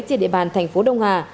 trên địa bàn thành phố đông hà